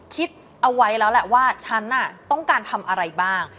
คิดเอาไว้แล้วแหละว่าฉันต้องการทำอะไรบ้าง